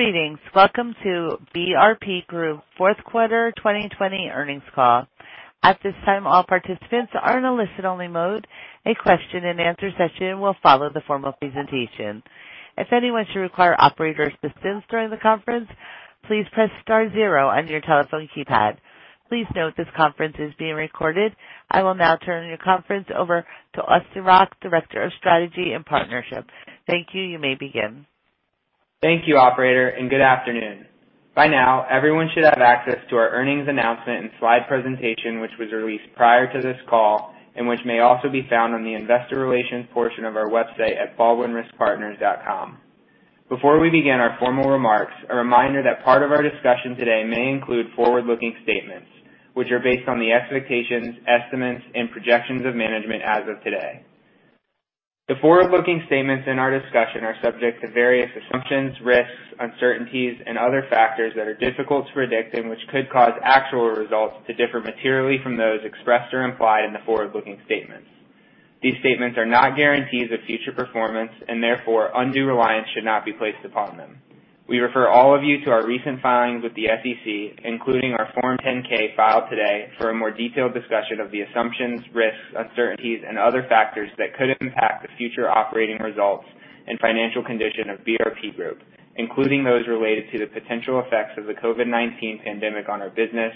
Greetings. Welcome to BRP Group fourth quarter 2020 earnings call. At this time, all participants are in a listen only mode. A question and answer session will follow the formal presentation. If anyone should require operator assistance during the conference, please press star zero on your telephone keypad. Please note this conference is being recorded. I will now turn your conference over to Austin Rock, Director of Strategy and Partnership. Thank you. You may begin. Thank you, operator, good afternoon. By now, everyone should have access to our earnings announcement and slide presentation, which was released prior to this call, and which may also be found on the investor relations portion of our website at baldwinriskpartners.com. Before we begin our formal remarks, a reminder that part of our discussion today may include forward-looking statements which are based on the expectations, estimates and projections of management as of today. The forward-looking statements in our discussion are subject to various assumptions, risks, uncertainties and other factors that are difficult to predict and which could cause actual results to differ materially from those expressed or implied in the forward-looking statements. These statements are not guarantees of future performance and therefore undue reliance should not be placed upon them. We refer all of you to our recent filings with the SEC, including our Form 10-K filed today for a more detailed discussion of the assumptions, risks, uncertainties and other factors that could impact the future operating results and financial condition of BRP Group, including those related to the potential effects of the COVID-19 pandemic on our business,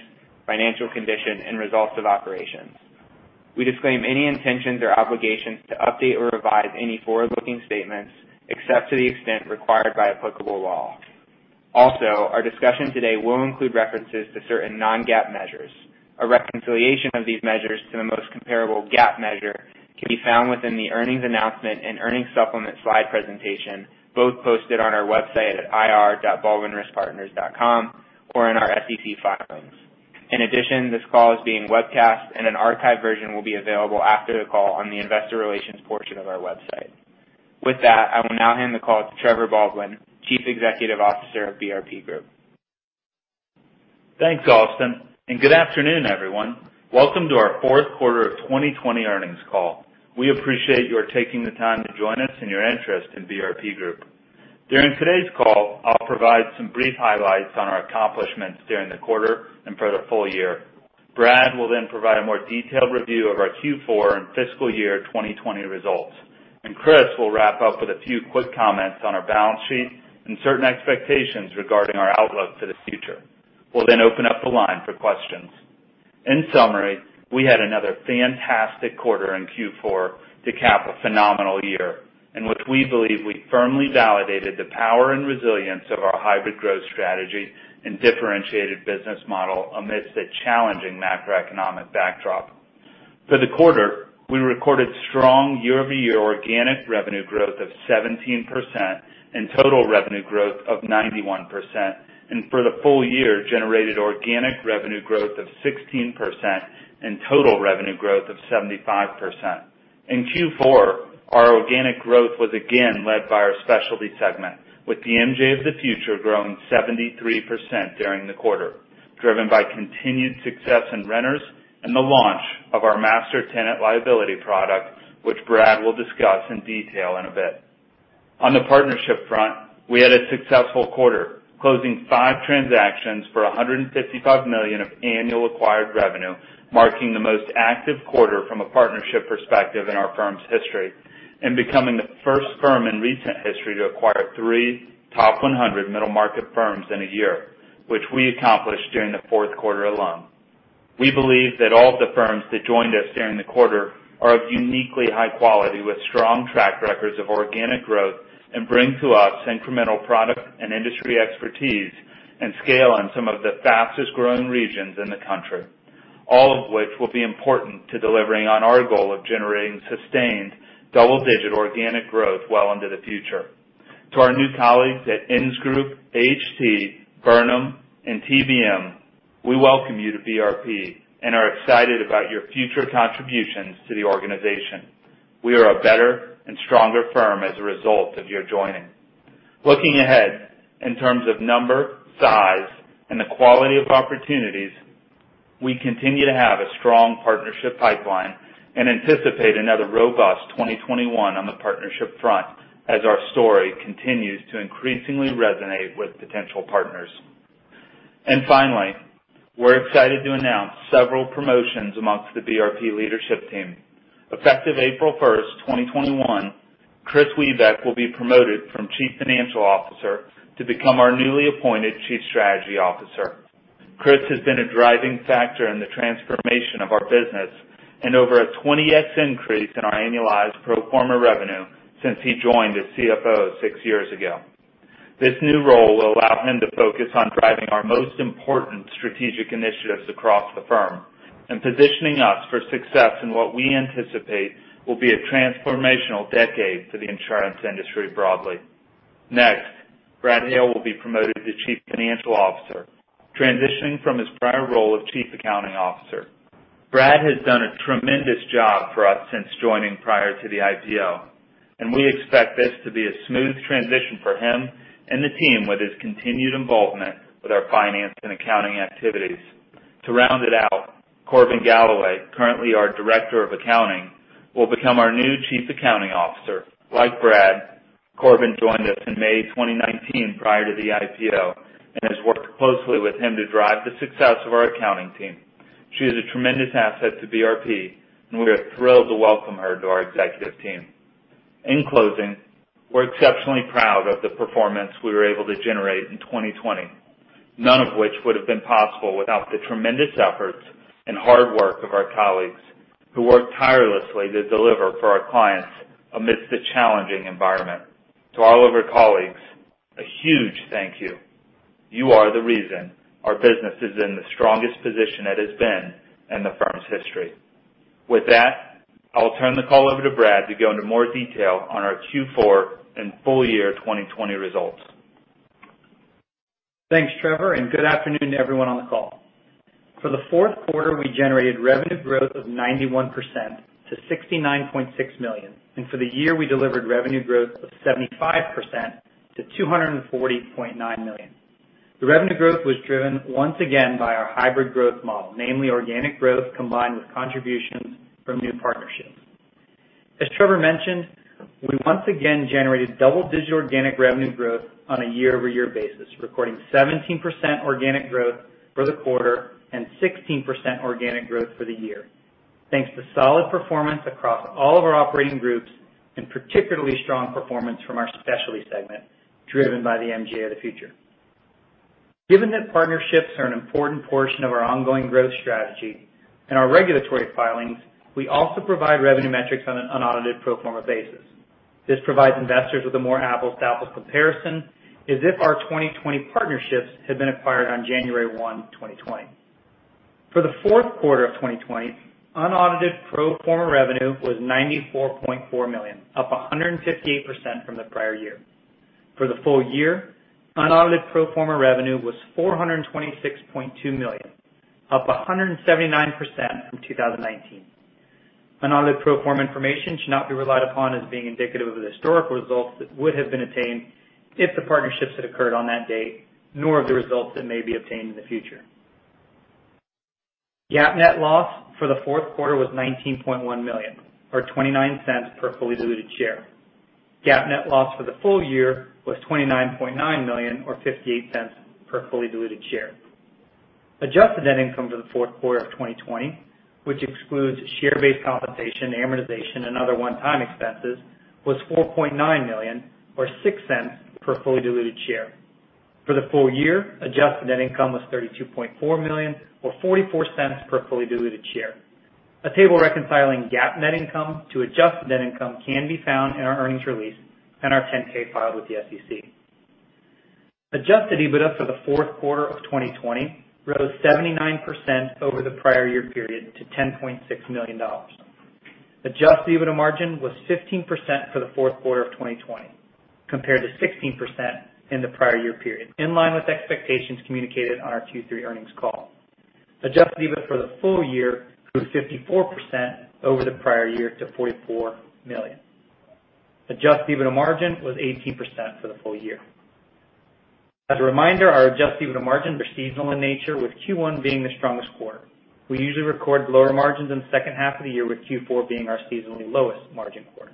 financial condition and results of operations. We disclaim any intentions or obligations to update or revise any forward-looking statements, except to the extent required by applicable law. Our discussion today will include references to certain non-GAAP measures. A reconciliation of these measures to the most comparable GAAP measure can be found within the earnings announcement and earnings supplement slide presentation, both posted on our website at ir.baldwinriskpartners.com or in our SEC filings. This call is being webcast and an archived version will be available after the call on the investor relations portion of our website. With that, I will now hand the call to Trevor Baldwin, Chief Executive Officer of BRP Group. Thanks, Austin. Good afternoon, everyone. Welcome to our fourth quarter of 2020 earnings call. We appreciate your taking the time to join us and your interest in BRP Group. During today's call, I'll provide some brief highlights on our accomplishments during the quarter and for the full year. Brad will provide a more detailed review of our Q4 and fiscal year 2020 results. Kris will wrap up with a few quick comments on our balance sheet and certain expectations regarding our outlook for the future. We'll open up the line for questions. In summary, we had another fantastic quarter in Q4 to cap a phenomenal year, in which we believe we firmly validated the power and resilience of our hybrid growth strategy and differentiated business model amidst a challenging macroeconomic backdrop. For the quarter, we recorded strong year-over-year organic revenue growth of 17% and total revenue growth of 91%. For the full year, generated organic revenue growth of 16% and total revenue growth of 75%. In Q4, our organic growth was again led by our specialty segment, with the MGA of the Future growing 73% during the quarter, driven by continued success in renters and the launch of our master tenant liability product, which Brad will discuss in detail in a bit. On the partnership front, we had a successful quarter, closing five transactions for $155 million of annual acquired revenue, marking the most active quarter from a partnership perspective in our firm's history and becoming the first firm in recent history to acquire three top 100 middle market firms in a year, which we accomplished during the fourth quarter alone. We believe that all of the firms that joined us during the quarter are of uniquely high quality with strong track records of organic growth, bring to us incremental product and industry expertise and scale on some of the fastest growing regions in the country. All of which will be important to delivering on our goal of generating sustained double-digit organic growth well into the future. To our new colleagues at Insgroup, AHT, Burnham and TBM, we welcome you to BRP and are excited about your future contributions to the organization. We are a better and stronger firm as a result of your joining. Looking ahead in terms of number, size, and the quality of opportunities, we continue to have a strong partnership pipeline and anticipate another robust 2021 on the partnership front as our story continues to increasingly resonate with potential partners. Finally, we're excited to announce several promotions amongst the BRP leadership team. Effective April 1st, 2021, Kris Wiebeck will be promoted from Chief Financial Officer to become our newly appointed Chief Strategy Officer. Kris has been a driving factor in the transformation of our business and over a 20X increase in our annualized pro forma revenue since he joined as CFO six years ago. This new role will allow him to focus on driving our most important strategic initiatives across the firm and positioning us for success in what we anticipate will be a transformational decade for the insurance industry broadly. Next, Brad Hale will be promoted to Chief Financial Officer, transitioning from his prior role of Chief Accounting Officer. Brad has done a tremendous job for us since joining prior to the IPO, and we expect this to be a smooth transition for him and the team with his continued involvement with our finance and accounting activities. To round it out, Corbyn Galloway, currently our Director of Accounting, will become our new Chief Accounting Officer. Like Brad, Corbyn joined us in May 2019 prior to the IPO and has worked closely with him to drive the success of our accounting team. She is a tremendous asset to BRP, and we are thrilled to welcome her to our executive team. In closing, we're exceptionally proud of the performance we were able to generate in 2020. None of which would've been possible without the tremendous efforts and hard work of our colleagues who work tirelessly to deliver for our clients amidst a challenging environment. To all of our colleagues, a huge thank you. You are the reason our business is in the strongest position it has been in the firm's history. With that, I'll turn the call over to Brad to go into more detail on our Q4 and full year 2020 results. Thanks, Trevor. Good afternoon everyone on the call. For the fourth quarter, we generated revenue growth of 91% to $69.6 million. For the year, we delivered revenue growth of 75% to $240.9 million. The revenue growth was driven once again by our hybrid growth model, namely organic growth, combined with contributions from new partnerships. As Trevor mentioned, we once again generated double-digit organic revenue growth on a year-over-year basis, recording 17% organic growth for the quarter and 16% organic growth for the year, thanks to solid performance across all of our operating groups, and particularly strong performance from our specialty segment driven by the MGA of the Future. Given that partnerships are an important portion of our ongoing growth strategy and our regulatory filings, we also provide revenue metrics on an unaudited pro forma basis. This provides investors with a more apples-to-apples comparison as if our 2020 partnerships had been acquired on January 1st, 2020. For the fourth quarter of 2020, unaudited pro forma revenue was $94.4 million, up 158% from the prior year. For the full year, unaudited pro forma revenue was $426.2 million, up 179% from 2019. Unaudited pro forma information should not be relied upon as being indicative of the historical results that would have been attained if the partnerships had occurred on that date, nor of the results that may be obtained in the future. GAAP net loss for the fourth quarter was $19.1 million, or $0.29 per fully diluted share. GAAP net loss for the full year was $29.9 million or $0.58 per fully diluted share. Adjusted net income for the fourth quarter of 2020, which excludes share-based compensation, amortization, and other one-time expenses, was $4.9 million or $0.06 per fully diluted share. For the full year, adjusted net income was $32.4 million or $0.44 per fully diluted share. A table reconciling GAAP net income to adjusted net income can be found in our earnings release and our 10-K filed with the SEC. Adjusted EBITDA for the fourth quarter of 2020 rose 79% over the prior year period to $10.6 million. Adjusted EBITDA margin was 15% for the fourth quarter of 2020 compared to 16% in the prior year period, in line with expectations communicated on our Q3 earnings call. Adjusted EBITDA for the full year grew 54% over the prior year to $44 million. Adjusted EBITDA margin was 18% for the full year. As a reminder, our adjusted EBITDA margins are seasonal in nature, with Q1 being the strongest quarter. We usually record lower margins in the second half of the year, with Q4 being our seasonally lowest margin quarter.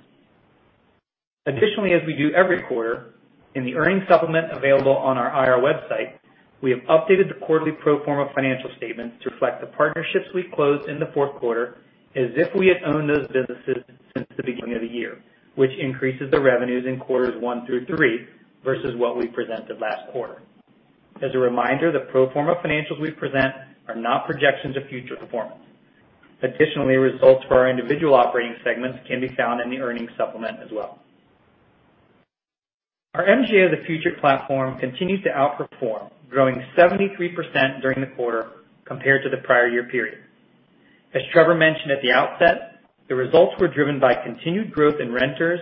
As we do every quarter, in the earnings supplement available on our IR website, we have updated the quarterly pro forma financial statements to reflect the partnerships we closed in the fourth quarter as if we had owned those businesses since the beginning of the year, which increases the revenues in quarters one through three versus what we presented last quarter. As a reminder, the pro forma financials we present are not projections of future performance. Results for our individual operating segments can be found in the earnings supplement as well. Our MGA of the Future platform continued to outperform, growing 73% during the quarter compared to the prior year period. As Trevor mentioned at the outset, the results were driven by continued growth in renters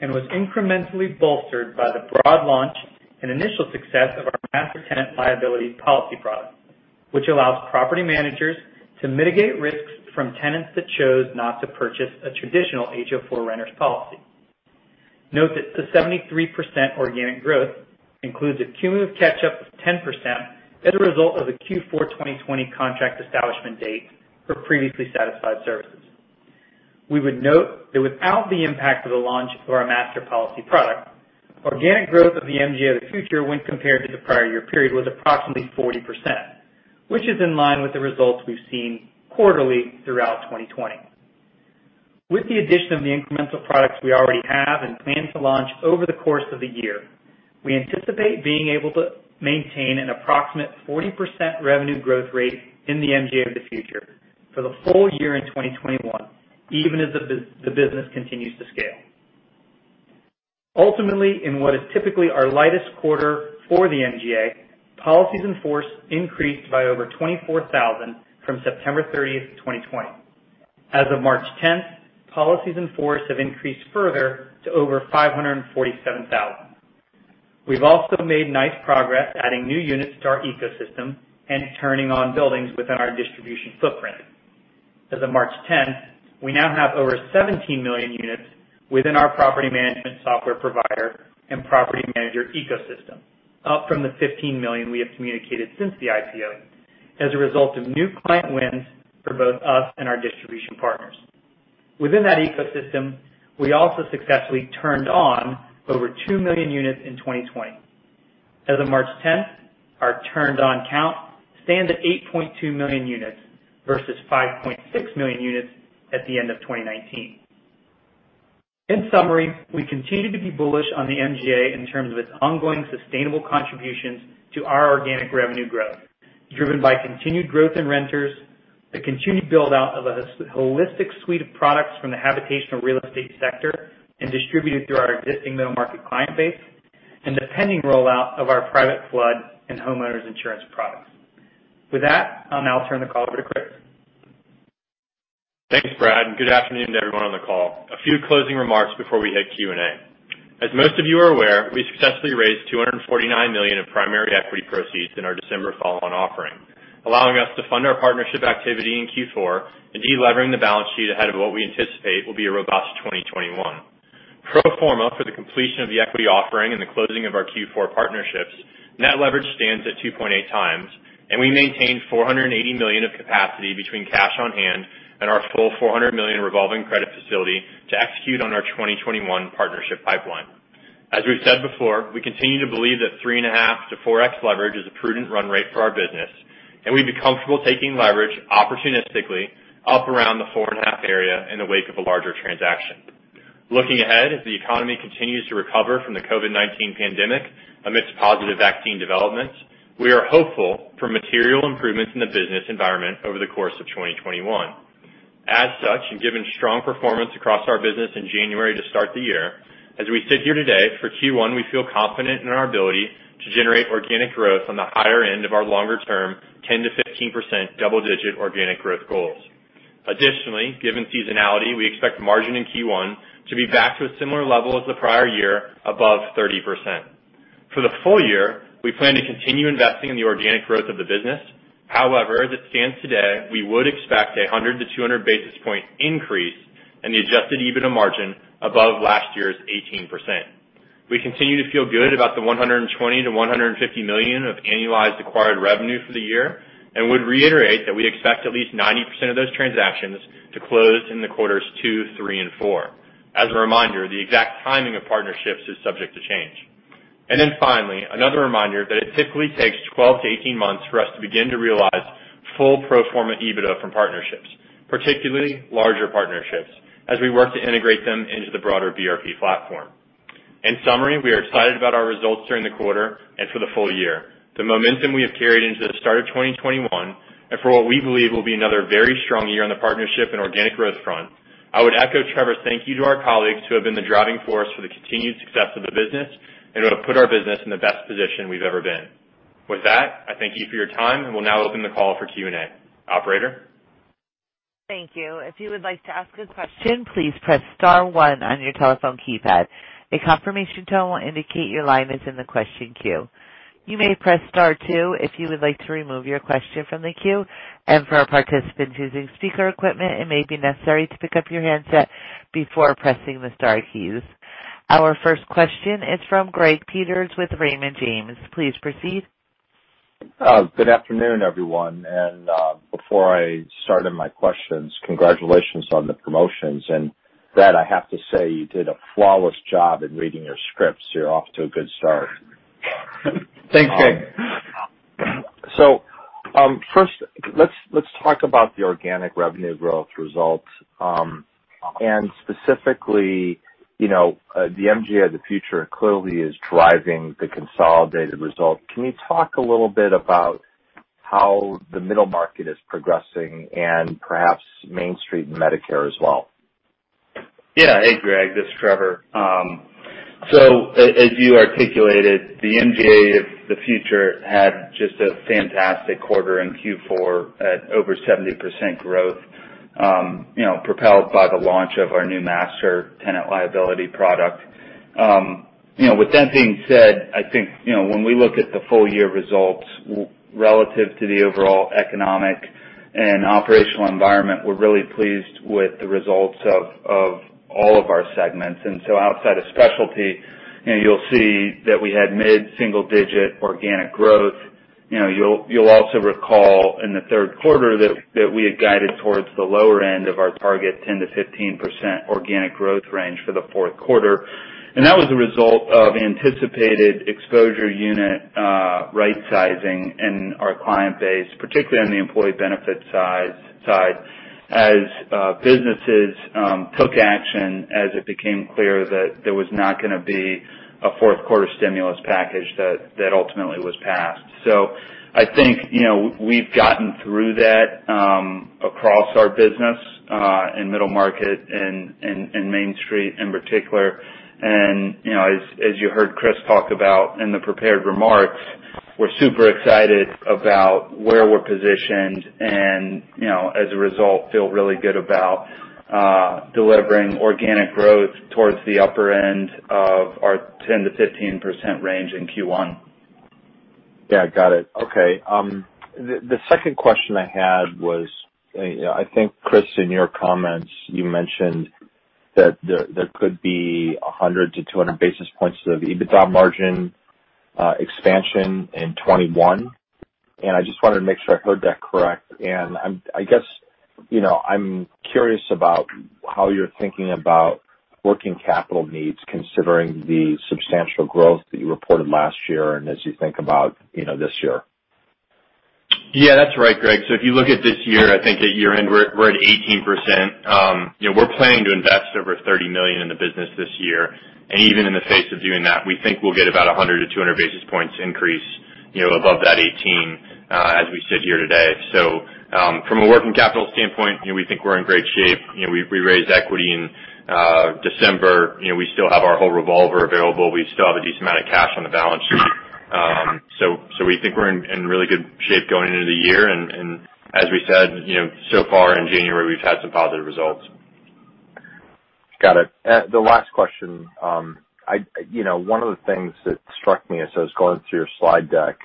and was incrementally bolstered by the broad launch and initial success of our master tenant liability policy product, which allows property managers to mitigate risks from tenants that chose not to purchase a traditional HO4 renter's policy. Note that the 73% organic growth includes a cumulative catch-up of 10% as a result of the Q4 2020 contract establishment date for previously satisfied services. We would note that without the impact of the launch of our master policy product, organic growth of the MGA of the Future when compared to the prior year period was approximately 40%, which is in line with the results we've seen quarterly throughout 2020. With the addition of the incremental products we already have and plan to launch over the course of the year, we anticipate being able to maintain an approximate 40% revenue growth rate in the MGA of the Future for the full year in 2021, even as the business continues to scale. Ultimately, in what is typically our lightest quarter for the MGA, policies in force increased by over 24,000 from September 30th, 2020. As of March 10th, policies in force have increased further to over 547,000. We've also made nice progress adding new units to our ecosystem and turning on buildings within our distribution footprint. As of March 10th, we now have over 17 million units within our property management software provider and property manager ecosystem, up from the 15 million we have communicated since the IPO, as a result of new client wins for both us and our distribution partners. Within that ecosystem, we also successfully turned on over 2 million units in 2020. As of March 10th, our turned on count stands at 8.2 million units versus 5.6 million units at the end of 2019. In summary, we continue to be bullish on the MGA in terms of its ongoing sustainable contributions to our organic revenue growth, driven by continued growth in renters, the continued build-out of a holistic suite of products from the habitational real estate sector and distributed through our existing middle market client base, and the pending rollout of our private flood and homeowners insurance products. With that, I'll now turn the call over to Kris. Thanks, Brad, and good afternoon to everyone on the call. A few closing remarks before we hit Q&A. As most of you are aware, we successfully raised $249 million in primary equity proceeds in our December follow-on offering, allowing us to fund our partnership activity in Q4 and de-levering the balance sheet ahead of what we anticipate will be a robust 2021. Pro forma for the completion of the equity offering and the closing of our Q4 partnerships, net leverage stands at 2.8x. We maintain $480 million of capacity between cash on hand and our full $400 million revolving credit facility to execute on our 2021 partnership pipeline. As we've said before, we continue to believe that 3.5x-4x leverage is a prudent run rate for our business. We'd be comfortable taking leverage opportunistically up around the 4.5 area in the wake of a larger transaction. Looking ahead, as the economy continues to recover from the COVID-19 pandemic amidst positive vaccine developments, we are hopeful for material improvements in the business environment over the course of 2021. As such, and given strong performance across our business in January to start the year, as we sit here today, for Q1 we feel confident in our ability to generate organic growth on the higher end of our longer-term, 10%-15% double-digit organic growth goals. Additionally, given seasonality, we expect margin in Q1 to be back to a similar level as the prior year above 30%. For the full year, we plan to continue investing in the organic growth of the business. As it stands today, we would expect a 100-200 basis point increase in the adjusted EBITDA margin above last year's 18%. We continue to feel good about the $120 million-$150 million of annualized acquired revenue for the year and would reiterate that we expect at least 90% of those transactions to close in the quarters two, three, and four. As a reminder, the exact timing of partnerships is subject to change. Finally, another reminder that it typically takes 12-18 months for us to begin to realize full pro forma EBITDA from partnerships, particularly larger partnerships, as we work to integrate them into the broader BRP platform. In summary, we are excited about our results during the quarter and for the full year. We are excited about the momentum we have carried into the start of 2021, for what we believe will be another very strong year on the partnership and organic growth front. I would echo Trevor's thank you to our colleagues who have been the driving force for the continued success of the business and who have put our business in the best position we've ever been. With that, I thank you for your time. We'll now open the call for Q&A. Operator? Thank you. If you would like to ask a question, please press star one on your telephone keypad. A confirmation tone will indicate your line is in the question queue. You may press star two if you would like to remove your question from the queue. For our participants using speaker equipment, it may be necessary to pick up your handset before pressing the star keys. Our first question is from Greg Peters with Raymond James. Please proceed. Good afternoon, everyone. Before I start in my questions, congratulations on the promotions. Brad, I have to say, you did a flawless job in reading your scripts. You're off to a good start. Thanks, Greg. First, let's talk about the organic revenue growth results. Specifically, the MGA of the Future clearly is driving the consolidated result. Can you talk a little bit about how the middle market is progressing and perhaps MainStreet and Medicare as well? Yeah. Hey, Greg, this is Trevor. As you articulated, the MGA of the Future had just a fantastic quarter in Q4 at over 70% growth, propelled by the launch of our new master tenant liability product. With that being said, I think when we look at the full-year results relative to the overall economic and operational environment, we're really pleased with the results of all of our segments. Outside of specialty, you'll see that we had mid-single digit organic growth. You'll also recall in the third quarter that we had guided towards the lower end of our target, 10%-15% organic growth range for the fourth quarter. That was a result of anticipated exposure unit right-sizing in our client base, particularly on the employee benefit side as businesses took action as it became clear that there was not going to be a fourth quarter stimulus package that ultimately was passed. I think we've gotten through that across our business in middle market and MainStreet in particular. As you heard Kris talk about in the prepared remarks, we're super excited about where we're positioned and as a result, feel really good about delivering organic growth towards the upper end of our 10%-15% range in Q1. Yeah, got it. Okay. The second question I had was, I think, Kris, in your comments, you mentioned that there could be 100 to 200 basis points of EBITDA margin expansion in 2021, I just wanted to make sure I heard that correct. I guess, I'm curious about how you're thinking about working capital needs, considering the substantial growth that you reported last year and as you think about this year. Yeah, that's right, Greg. If you look at this year, I think at year-end, we're at 18%. We're planning to invest over $30 million in the business this year. Even in the face of doing that, we think we'll get about 100 to 200 basis points increase above that 18% as we sit here today. From a working capital standpoint, we think we're in great shape. We raised equity in December. We still have our whole revolver available. We still have a decent amount of cash on the balance sheet. We think we're in really good shape going into the year, and as we said, so far in January, we've had some positive results. Got it. The last question. One of the things that struck me as I was going through your slide deck,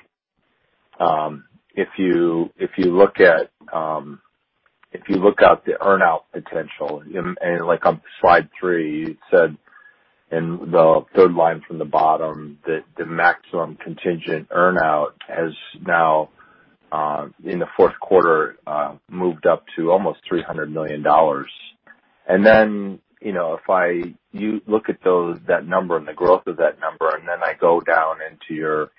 if you look at the earnout potential, on slide three, it said in the third line from the bottom that the maximum contingent earnout has now, in the fourth quarter, moved up to almost $300 million. If you look at that number and the growth of that number, then I go down into your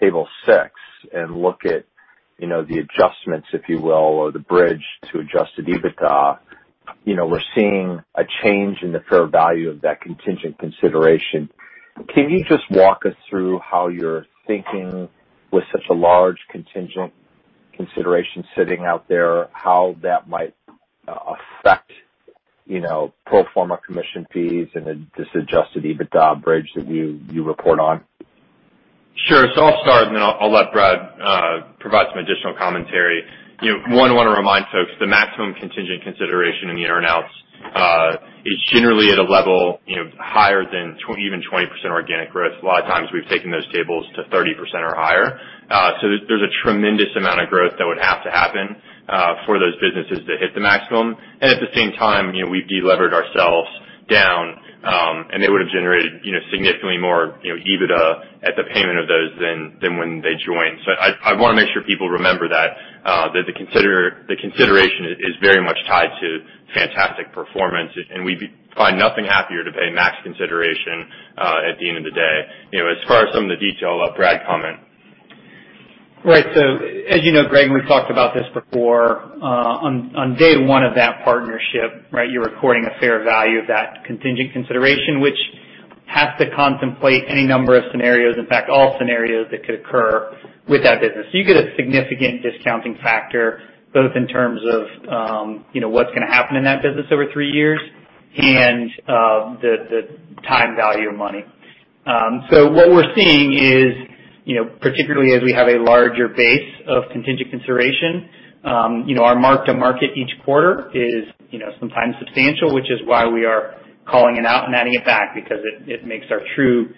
table six and look at the adjustments, if you will, or the bridge to adjusted EBITDA, we're seeing a change in the fair value of that contingent consideration. Can you just walk us through how you're thinking with such a large contingent consideration sitting out there, how that might affect pro forma commission fees and this adjusted EBITDA bridge that you report on? Sure. I'll start, and then I'll let Brad provide some additional commentary. One, I want to remind folks, the maximum contingent consideration in the earnouts is generally at a level higher than even 20% organic growth. A lot of times, we've taken those tables to 30% or higher. There's a tremendous amount of growth that would have to happen for those businesses to hit the maximum. At the same time, we've delevered ourselves down, and it would have generated significantly more EBITDA at the payment of those than when they joined. I want to make sure people remember that the consideration is very much tied to fantastic performance, and we'd be nothing happier to pay max consideration at the end of the day. As far as some of the detail, I'll let Brad comment. As you know, Greg, and we've talked about this before, on day one of that partnership, you're recording a fair value of that contingent consideration, which has to contemplate any number of scenarios, in fact, all scenarios that could occur with that business. You get a significant discounting factor, both in terms of what's going to happen in that business over three years and the time value of money. What we're seeing is, particularly as we have a larger base of contingent consideration, our mark to market each quarter is sometimes substantial, which is why we are calling it out and adding it back because it makes our true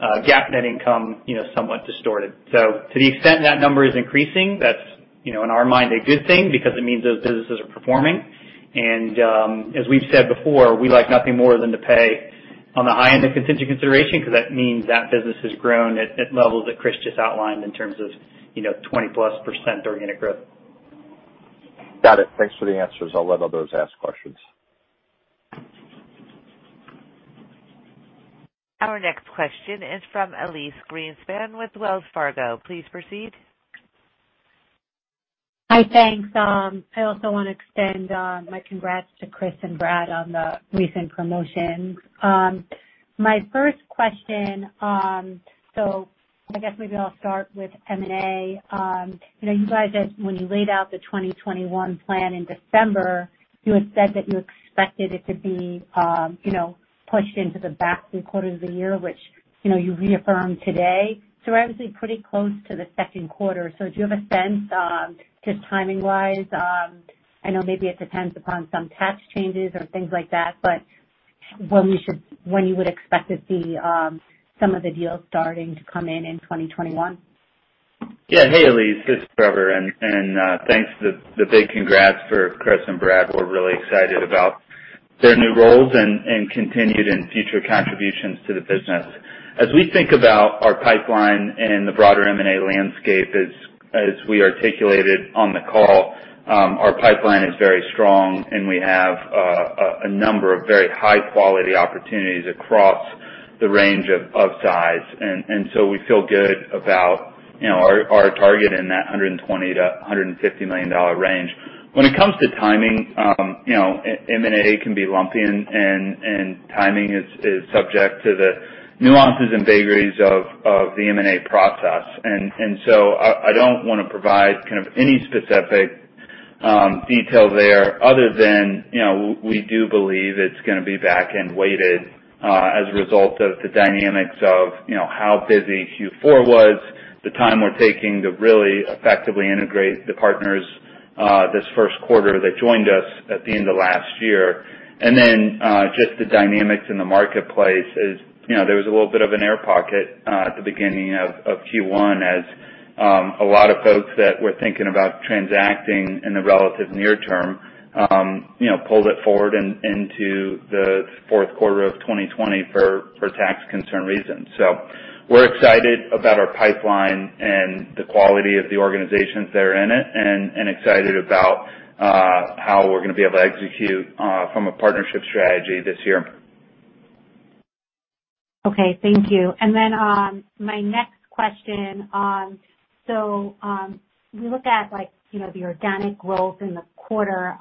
GAAP net income somewhat distorted. To the extent that number is increasing, that's, in our mind, a good thing because it means those businesses are performing. As we've said before, we like nothing more than to pay on the high end of contingent consideration because that means that business has grown at levels that Kris just outlined in terms of 20%+ organic growth. Got it. Thanks for the answers. I'll let others ask questions. Our next question is from Elyse Greenspan with Wells Fargo. Please proceed. Hi. Thanks. I also want to extend my congrats to Kris and Brad on the recent promotions. My first question, I guess maybe I'll start with M&A. You guys, when you laid out the 2021 plan in December, you had said that you expected it to be pushed into the back three quarters of the year, which you've reaffirmed today. We're obviously pretty close to the second quarter. Do you have a sense, just timing-wise, I know maybe it depends upon some tax changes or things like that, but when you would expect to see some of the deals starting to come in in 2021? Yeah. Hey, Elyse, this is Trevor, thanks. The big congrats for Kris and Brad. We're really excited about their new roles and continued and future contributions to the business. As we think about our pipeline and the broader M&A landscape, as we articulated on the call, our pipeline is very strong, we have a number of very high-quality opportunities across the range of size. We feel good about our target in that $120 million-$150 million range. When it comes to timing, M&A can be lumpy, timing is subject to the nuances and vagaries of the M&A process. I don't want to provide any specific detail there other than we do believe it's going to be back-end weighted as a result of the dynamics of how busy Q4 was, the time we're taking to really effectively integrate the partners This first quarter that joined us at the end of last year. Just the dynamics in the marketplace, there was a little bit of an air pocket at the beginning of Q1 as a lot of folks that were thinking about transacting in the relative near term pulled it forward into the fourth quarter of 2020 for tax concern reasons. We're excited about our pipeline and the quality of the organizations that are in it, excited about how we're going to be able to execute from a partnership strategy this year. Okay. Thank you. My next question, we looked at the organic growth in the quarter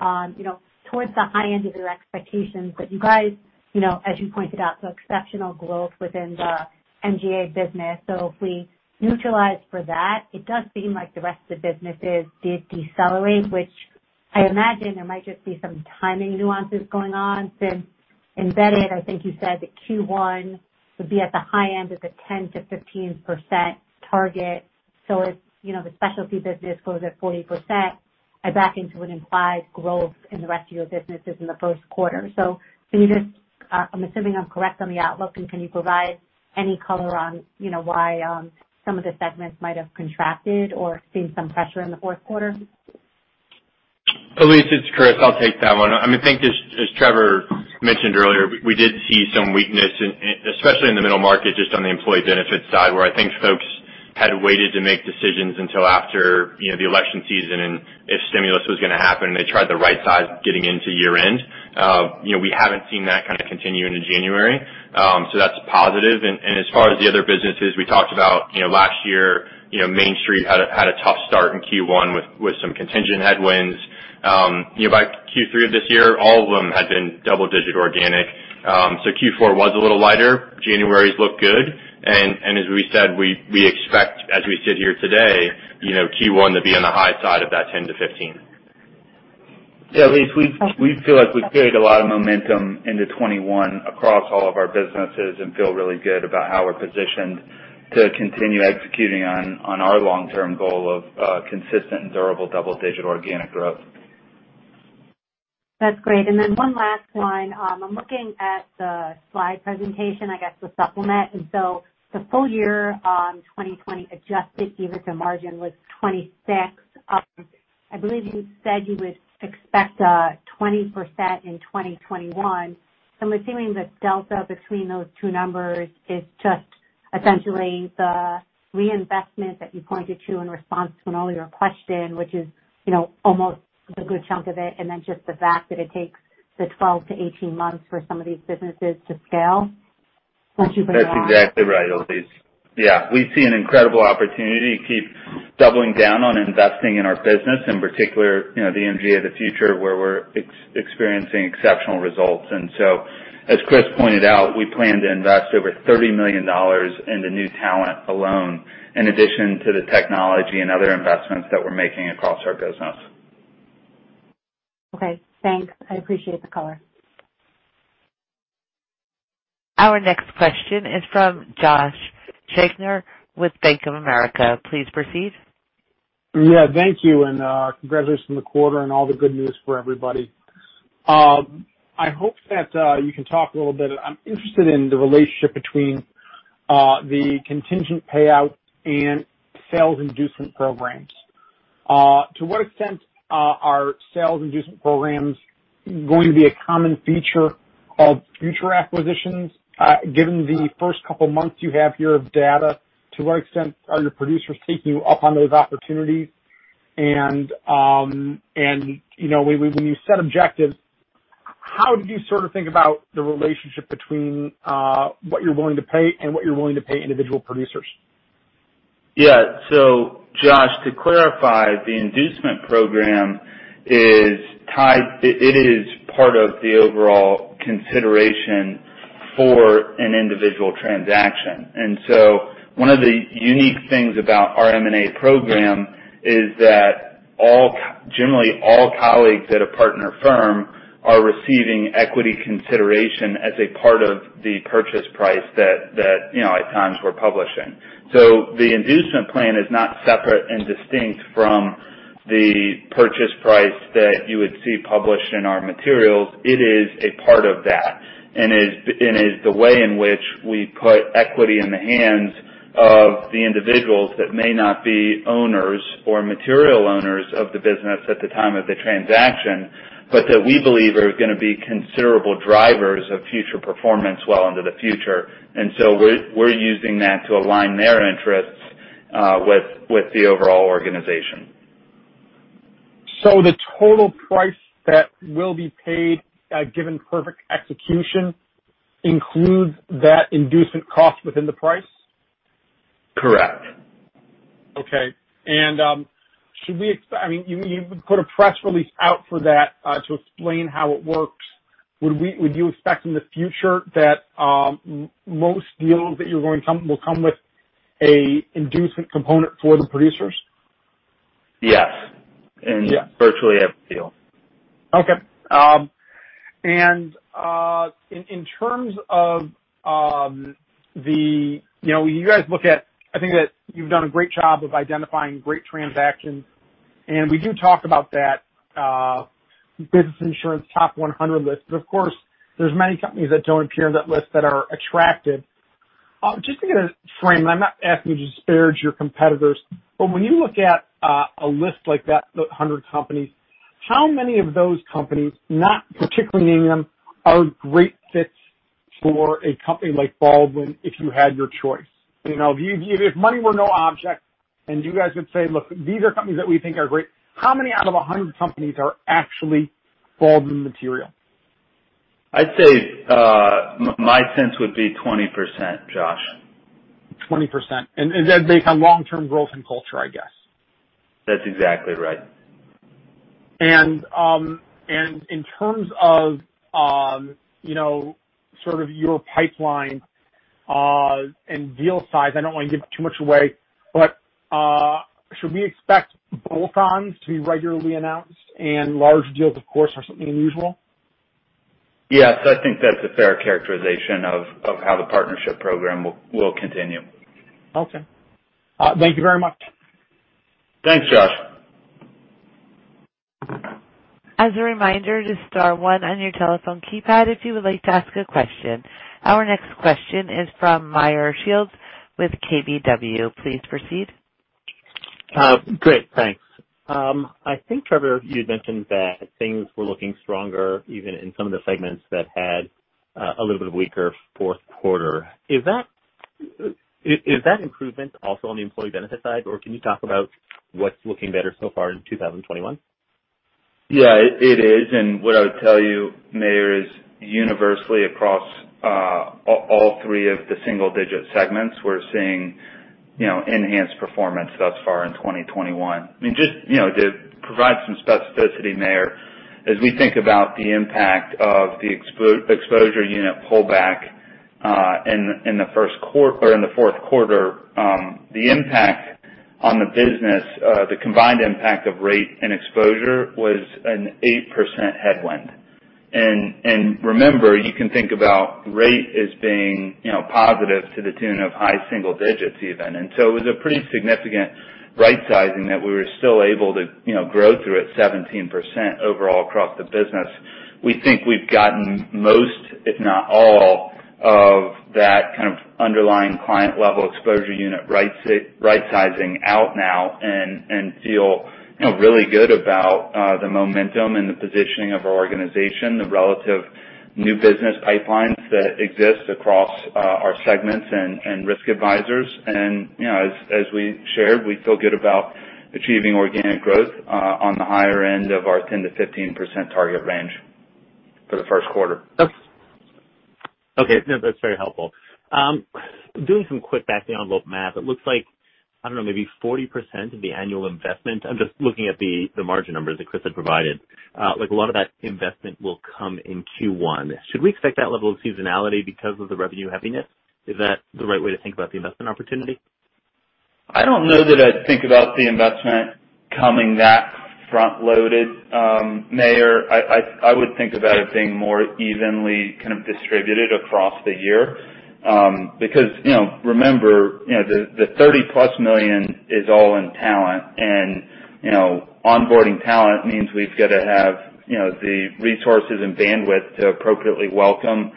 towards the high end of your expectations. You guys, as you pointed out, saw exceptional growth within the MGA business. If we neutralize for that, it does seem like the rest of the businesses did decelerate, which I imagine there might just be some timing nuances going on since embedded, I think you said that Q1 would be at the high end of the 10%-15% target. If the specialty business grows at 40%, I back into an implied growth in the rest of your businesses in the first quarter. I'm assuming I'm correct on the outlook, can you provide any color on why some of the segments might have contracted or seen some pressure in the fourth quarter? Elyse, it's Kris. I'll take that one. As Trevor mentioned earlier, we did see some weakness, especially in the middle market, just on the employee benefits side, where I think folks had waited to make decisions until after the election season and if stimulus was going to happen, and they tried to right-size getting into year-end. We haven't seen that kind of continue into January. That's positive. As far as the other businesses, we talked about last year, MainStreet had a tough start in Q1 with some contingent headwinds. By Q3 of this year, all of them had been double-digit organic. Q4 was a little lighter. January's looked good, and as we said, we expect, as we sit here today, Q1 to be on the high side of that 10%-15%. Yeah, Elyse, we feel like we've carried a lot of momentum into 2021 across all of our businesses and feel really good about how we're positioned to continue executing on our long-term goal of consistent and durable double-digit organic growth. That's great. Then one last one. I'm looking at the slide presentation, I guess, the supplement. The full year on 2020 adjusted EBITDA margin was 26%. I believe you said you would expect 20% in 2021. I'm assuming the delta between those two numbers is just essentially the reinvestment that you pointed to in response to an earlier question, which is almost a good chunk of it, and then just the fact that it takes the 12-18 months for some of these businesses to scale once you bring them on. That's exactly right, Elyse. Yeah. We see an incredible opportunity to keep doubling down on investing in our business, in particular, the MGA of the Future, where we're experiencing exceptional results. As Kris pointed out, we plan to invest over $30 million into new talent alone, in addition to the technology and other investments that we're making across our business. Okay, thanks. I appreciate the color. Our next question is from Josh Shanker with Bank of America. Please proceed. Thank you, and congratulations on the quarter and all the good news for everybody. I hope that you can talk a little bit, I'm interested in the relationship between the contingent payout and sales inducement programs. To what extent are sales inducement programs going to be a common feature of future acquisitions? Given the first couple months you have here of data, to what extent are your producers taking you up on those opportunities? And when you set objectives, how do you sort of think about the relationship between what you're willing to pay and what you're willing to pay individual producers? Josh, to clarify, the inducement program is part of the overall consideration for an individual transaction. One of the unique things about our M&A program is that generally all colleagues at a partner firm are receiving equity consideration as a part of the purchase price that at times we're publishing. The inducement plan is not separate and distinct from the purchase price that you would see published in our materials. It is a part of that, and is the way in which we put equity in the hands of the individuals that may not be owners or material owners of the business at the time of the transaction, but that we believe are going to be considerable drivers of future performance well into the future. We're using that to align their interests with the overall organization. The total price that will be paid at given perfect execution includes that inducement cost within the price? Correct. Okay. You put a press release out for that to explain how it works. Would you expect in the future that most deals that you're going to come will come with an inducement component for the producers? Yes. Yeah. In virtually every deal. Okay. I think that you've done a great job of identifying great transactions, and we do talk about that Business Insurance Top 100 List. Of course, there's many companies that don't appear on that list that are attractive. Just to get a frame, I'm not asking you to disparage your competitors, but when you look at a list like that, the 100 companies, how many of those companies, not particularly naming them, are great fits for a company like Baldwin if you had your choice? If money were no object and you guys would say, "Look, these are companies that we think are great," how many out of 100 companies are actually Baldwin material? I'd say my sense would be 20%, Josh. 20%. Is that based on long-term growth and culture, I guess? That's exactly right. In terms of your pipeline and deal size, I don't want to give too much away, but should we expect bolt-ons to be regularly announced and large deals, of course, are something unusual? Yes, I think that's a fair characterization of how the partnership program will continue. Okay. Thank you very much. Thanks, Josh. As a reminder, just star one on your telephone keypad if you would like to ask a question. Our next question is from Meyer Shields with KBW. Please proceed. Great, thanks. I think, Trevor, you had mentioned that things were looking stronger even in some of the segments that had a little bit of a weaker fourth quarter. Is that improvement also on the employee benefit side, or can you talk about what's looking better so far in 2021? It is, and what I would tell you, Meyer, is universally across all three of the single-digit segments, we're seeing enhanced performance thus far in 2021. To provide some specificity, Meyer, as we think about the impact of the exposure unit pullback in the fourth quarter, the combined impact of rate and exposure was an 8% headwind. Remember, you can think about rate as being positive to the tune of high single digits even. It was a pretty significant right-sizing that we were still able to grow through at 17% overall across the business. We think we've gotten most, if not all, of that kind of underlying client-level exposure unit right-sizing out now and feel really good about the momentum and the positioning of our organization, the relative new business pipelines that exist across our segments and risk advisors. As we shared, we feel good about achieving organic growth on the higher end of our 10%-15% target range for the first quarter. Okay. No, that's very helpful. Doing some quick back-of-the-envelope math, it looks like, I don't know, maybe 40% of the annual investment, I'm just looking at the margin numbers that Kris had provided. A lot of that investment will come in Q1. Should we expect that level of seasonality because of the revenue heaviness? Is that the right way to think about the investment opportunity? I don't know that I'd think about the investment coming that front-loaded, Meyer. I would think about it being more evenly distributed across the year. Remember, the 30-plus million is all in talent, and onboarding talent means we've got to have the resources and bandwidth to appropriately welcome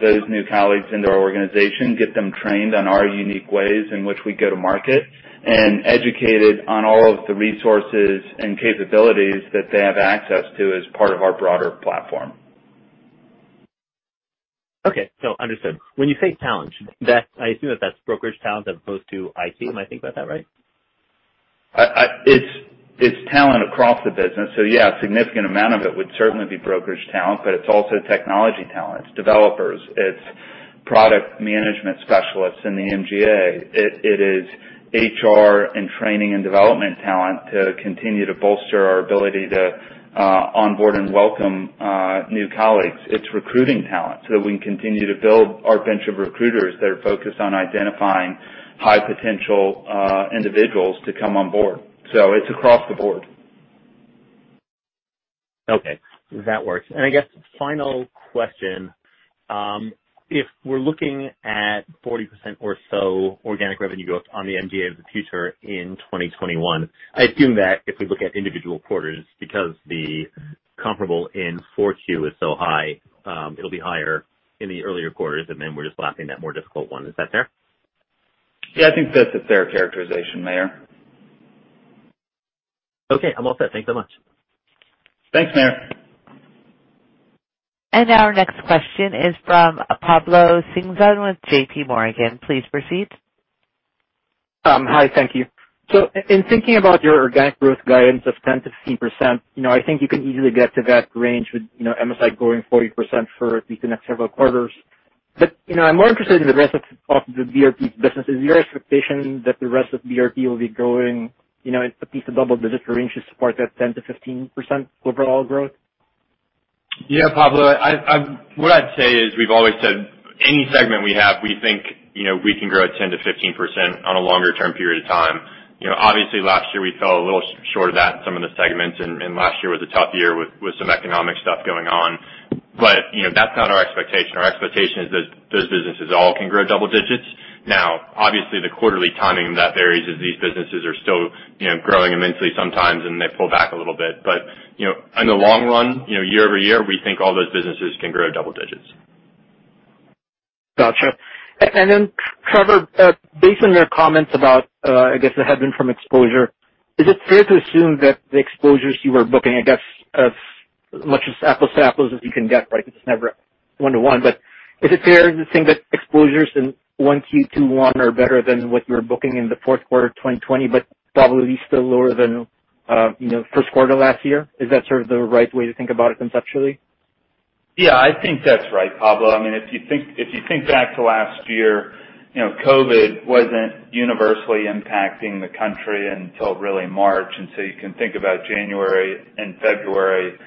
those new colleagues into our organization, get them trained on our unique ways in which we go to market, and educated on all of the resources and capabilities that they have access to as part of our broader platform. Okay. No, understood. When you say talent, I assume that that's brokerage talent as opposed to IT. Am I thinking about that right? It's talent across the business. Yeah, a significant amount of it would certainly be brokerage talent, but it's also technology talent. It's developers, it's product management specialists in the MGA. It is HR and training and development talent to continue to bolster our ability to onboard and welcome new colleagues. It's recruiting talent so that we can continue to build our bench of recruiters that are focused on identifying high-potential individuals to come on board. It's across the board. Okay. That works. I guess final question, if we're looking at 40% or so organic revenue growth on the MGA of the Future in 2021, I assume that if we look at individual quarters, because the comparable in Q4 is so high, it'll be higher in the earlier quarters, and then we're just lapping that more difficult one. Is that fair? Yeah, I think that's a fair characterization, Meyer. Okay. I'm all set. Thank you so much. Thanks, Meyer. Our next question is from Pablo Singzon with J.P. Morgan. Please proceed. Hi. Thank you. In thinking about your organic growth guidance of 10%-15%, I think you can easily get to that range with MSI growing 40% for at least the next several quarters. I'm more interested in the rest of the BRP business. Is your expectation that the rest of BRP will be growing at least a double-digit range to support that 10%-15% overall growth? Yeah, Pablo, what I'd say is we've always said any segment we have, we think we can grow 10%-15% on a longer term period of time. Obviously, last year we fell a little short of that in some of the segments, and last year was a tough year with some economic stuff going on. That's not our expectation. Our expectation is that those businesses all can grow double digits. Obviously, the quarterly timing of that varies as these businesses are still growing immensely sometimes, and they pull back a little bit. In the long run, year-over-year, we think all those businesses can grow double digits. Gotcha. Trevor, based on your comments about, I guess, the headwind from exposure, is it fair to assume that the exposures you were booking, I guess, as much as apples to apples as you can get, right? It's never one to one, but is it fair to think that exposures in 1Q21 are better than what you were booking in the fourth quarter 2020, but probably still lower than first quarter last year? Is that sort of the right way to think about it conceptually? Yeah, I think that's right, Pablo. If you think back to last year, COVID wasn't universally impacting the country until really March. You can think about January and February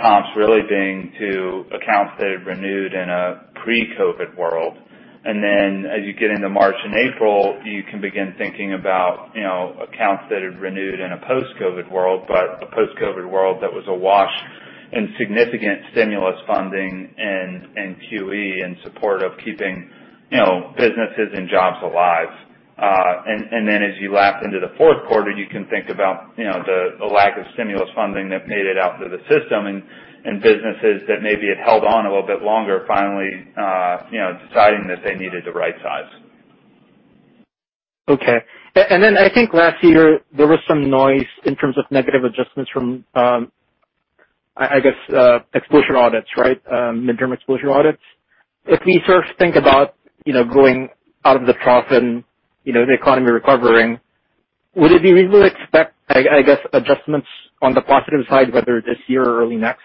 comps really being to accounts that had renewed in a pre-COVID world. As you get into March and April, you can begin thinking about accounts that had renewed in a post-COVID world, but a post-COVID world that was awash in significant stimulus funding and QE in support of keeping businesses and jobs alive. As you lap into the fourth quarter, you can think about the lack of stimulus funding that made it out through the system and businesses that maybe had held on a little bit longer, finally deciding that they needed to right size. Okay. Then I think last year there was some noise in terms of negative adjustments from, I guess, exposure audits, right? Mid-term exposure audits. If we sort of think about going out of the trough and the economy recovering, would it be reasonable to expect, I guess, adjustments on the positive side, whether this year or early next?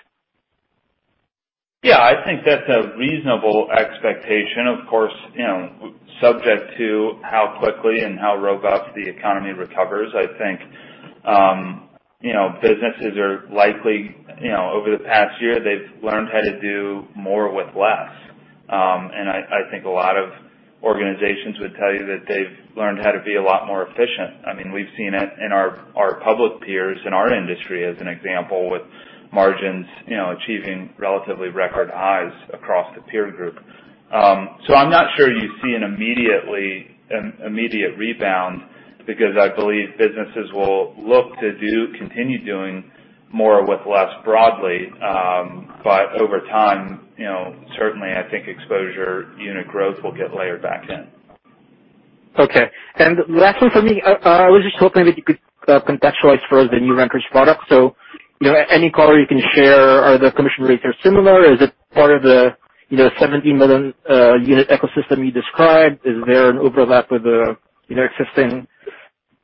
Yeah, I think that's a reasonable expectation. Of course, subject to how quickly and how robust the economy recovers. I think businesses are likely, over the past year, they've learned how to do more with less. I think a lot of organizations would tell you that they've learned how to be a lot more efficient. We've seen it in our public peers in our industry as an example, with margins achieving relatively record highs across the peer group. I'm not sure you see an immediate rebound because I believe businesses will look to continue doing more with less broadly. Over time, certainly, I think exposure unit growth will get layered back in. Okay. Lastly for me, I was just hoping that you could contextualize for us the new renters product. Any color you can share. Are the commission rates similar? Is it part of the 17 million unit ecosystem you described? Is there an overlap with the existing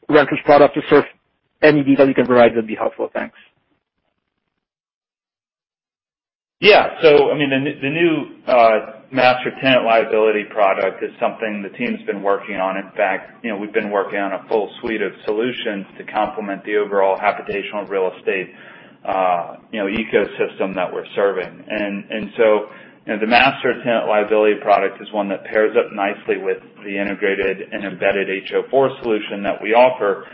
renters product? Just sort of any detail you can provide would be helpful. Thanks. Yeah. The new master tenant liability product is something the team's been working on. In fact, we've been working on a full suite of solutions to complement the overall habitational real estate ecosystem that we're serving. The master tenant liability product is one that pairs up nicely with the integrated and embedded HO4 solution that we offer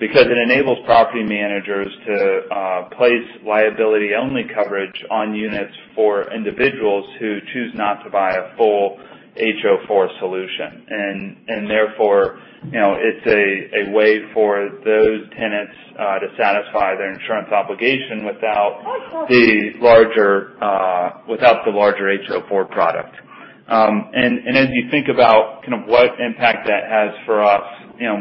because it enables property managers to place liability-only coverage on units for individuals who choose not to buy a full HO4 solution. Therefore, it's a way for those tenants to satisfy their insurance obligation without the larger HO4 product. As you think about what impact that has for us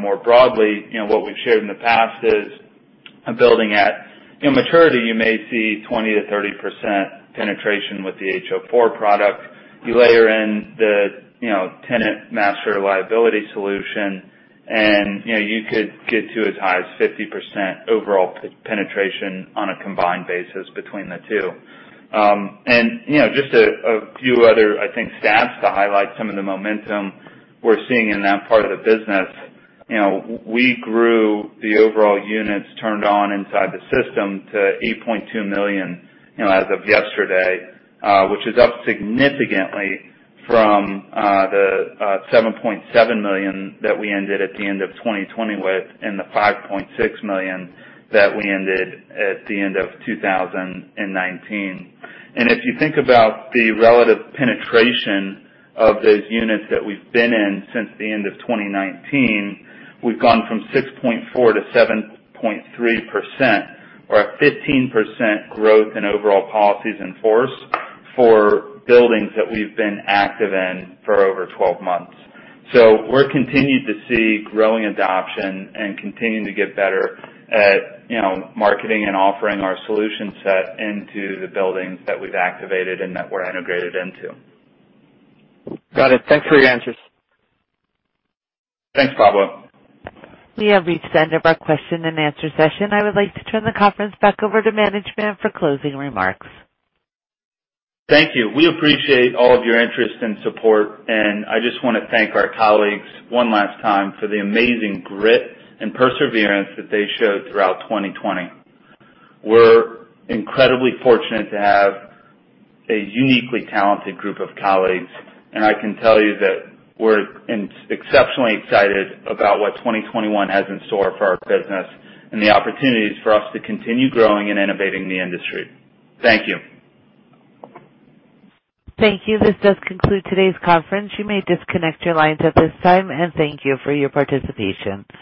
more broadly, what we've shared in the past is building at maturity, you may see 20%-30% penetration with the HO4 product. You layer in the master tenant liability solution, you could get to as high as 50% overall penetration on a combined basis between the two. Just a few other, I think, stats to highlight some of the momentum we're seeing in that part of the business. We grew the overall units turned on inside the system to 8.2 million as of yesterday, which is up significantly from the 7.7 million that we ended at the end of 2020 with, and the 5.6 million that we ended at the end of 2019. If you think about the relative penetration of those units that we've been in since the end of 2019, we've gone from 6.4%-7.3%, or a 15% growth in overall policies in force for buildings that we've been active in for over 12 months. We're continued to see growing adoption and continuing to get better at marketing and offering our solution set into the buildings that we've activated and that we're integrated into. Got it. Thanks for your answers. Thanks, Pablo. We have reached the end of our question and answer session. I would like to turn the conference back over to management for closing remarks. Thank you. We appreciate all of your interest and support. I just want to thank our colleagues one last time for the amazing grit and perseverance that they showed throughout 2020. We're incredibly fortunate to have a uniquely talented group of colleagues. I can tell you that we're exceptionally excited about what 2021 has in store for our business and the opportunities for us to continue growing and innovating the industry. Thank you. Thank you. This does conclude today's conference. You may disconnect your lines at this time. Thank you for your participation.